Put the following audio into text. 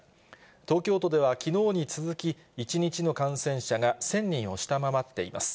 東京都ではきのうに続き、１日の感染者が１０００人を下回っています。